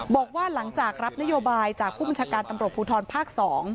บอกว่าหลังจากรับนโยบายจากผู้บัญชาการตำรวจภูทรภาค๒